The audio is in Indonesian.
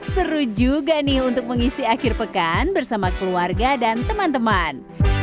seru juga nih untuk mengisi akhir pekan bersama keluarga dan teman teman